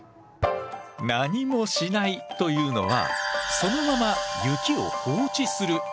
何もしないというのはそのまま雪を放置するということ。